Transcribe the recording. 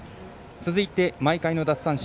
続いて毎回の奪三振。